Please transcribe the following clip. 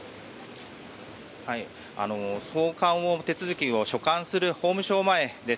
送還の手続きを所管する法務省前です。